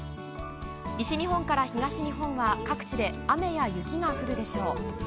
西日本から東日本は各地で雨や雪が降るでしょう。